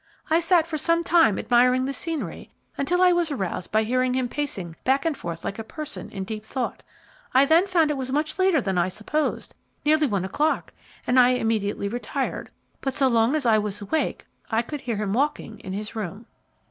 I sat for some time admiring the scenery, until I was aroused by hearing him pacing back and forth like a person in deep thought. I then found it was much later than I supposed, nearly one o' clock, and I immediately retired; but so long as I was awake I could hear him walking in his room."